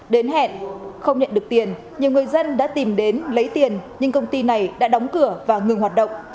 đến hẹn không nhận được tiền nhiều người dân đã tìm đến lấy tiền nhưng công ty này đã đóng cửa và ngừng hoạt động